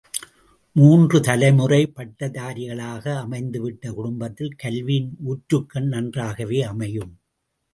மூன்று தலைமுறை பட்டதாரிகளாக அமைந்துவிட்ட குடும்பத்தில் கல்வியின் ஊற்றுக்கண் நன்றாகவே அமையும்.